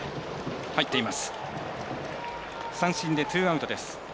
三振でツーアウト。